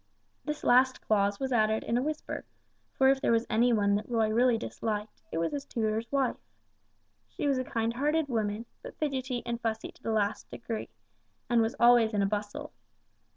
This last clause was added in a whisper, for if there was any one that Roy really disliked, it was his tutor's wife. She was a kind hearted woman, but fidgety and fussy to the last degree, and was always in a bustle.